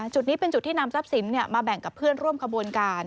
จุดนี้เป็นจุดที่นำทรัพย์สินมาแบ่งกับเพื่อนร่วมขบวนการ